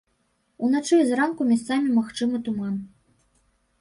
Уначы і зранку месцамі магчымы туман.